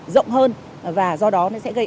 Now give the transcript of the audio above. rộng hơn và do đó nó sẽ gây